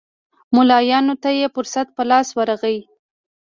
ملایانو ته یې فرصت په لاس ورغی.